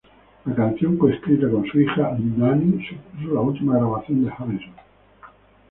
La canción, coescrita con su hijo Dhani, supuso la última grabación de Harrison.